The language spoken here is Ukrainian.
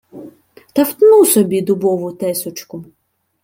Та втну собі дубову тесочку